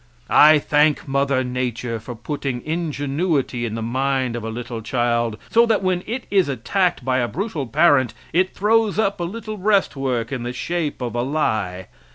I thank Mother Nature for putting ingenuity in the mind of a little child so that when it is attacked by a brutal parent it throws up a little breastwork in the shape of a lie.